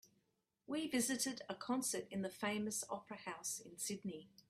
We visited a concert in the famous opera house in Sydney.